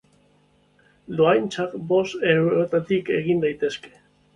Dohaintzak bost eurotatik egin daitezke.